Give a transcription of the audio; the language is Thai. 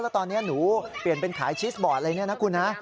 แล้วตอนนี้หนูเปลี่ยนเป็นขายชีสบอร์ดอะไรเนี่ยนะคุณนะ